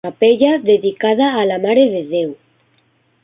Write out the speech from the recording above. Capella dedicada a la Mare de Déu.